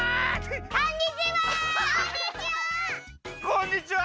こんにちは！